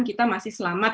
kita masih selamat